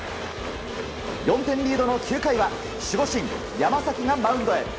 ４点リードの９回は守護神、山崎がマウンドへ。